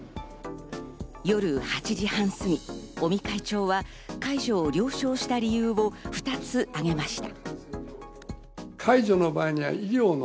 夜８時半過ぎ、尾身会長は解除を了承した理由を２つ挙げました。